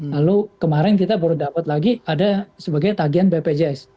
lalu kemarin kita baru dapat lagi ada sebagai tagian bpjs